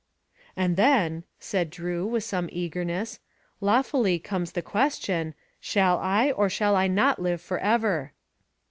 "And then," said Drew, with some eagerness, "lawfully comes the question, 'Shall I, or shall I not live for ever?